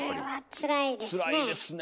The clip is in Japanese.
つらいですねえ。